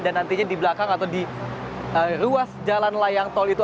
dan nantinya di belakang atau di ruas jalan layang tol itu